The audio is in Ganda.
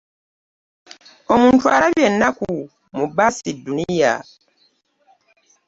Omuntu alabye ennaku mu baasi eeduniya .